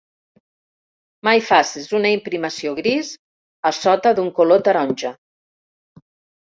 Mai facis una emprimació gris a sota d'un color taronja!